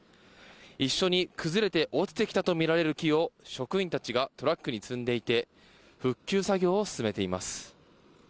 一緒に崩れて落ちてきたと見られる木を、職員たちがトラックに積んでいて、復旧作業を進めています。